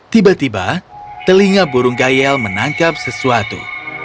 tiba tiba telinga burung gayel menangkap sesuatu